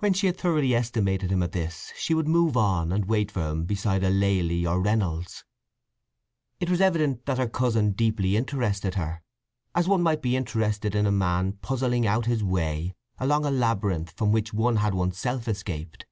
When she had thoroughly estimated him at this, she would move on and wait for him before a Lely or Reynolds. It was evident that her cousin deeply interested her, as one might be interested in a man puzzling out his way along a labyrinth from which one had one's self escaped.